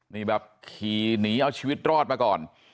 นี่แบบขี่หนีเอาชีวิตรอดมาก่อน